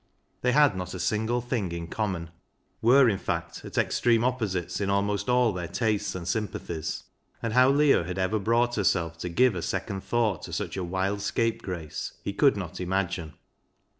They had not a single thing in common, — were, in fact, at extreme opposites in almost all their tastes and sympa thies ; and how Leah had ever brought herself to give a second thought to such a wild scape grace he could not imagine.